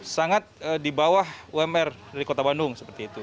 sangat di bawah wmr dari kota bandung